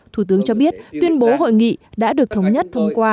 thủ tướng cho biết tuyên bố hội nghị đã được thống nhất thông qua